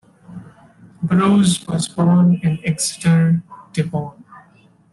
Burrows was born in Exeter, Devon.